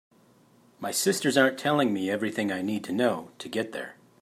My sisters aren’t telling me everything I need to know to get there.